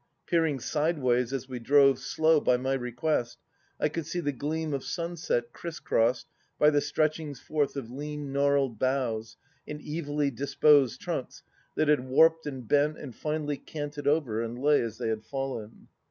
Peering sideways, as we drove slow, by my request, I could see the gleam of sunset criss crossed by the stretchings forth of lean gnarled boughs and evilly disposed trunks that had warped and bent and finally canted over and lay as they had fallen.